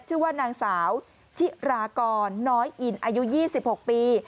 ชื่อว่านางสาวชิรากรน้อยอินอายุ๒๖ปี